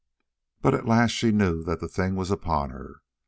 But at last she knew that the thing was upon her.